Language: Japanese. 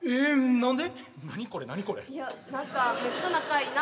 何で？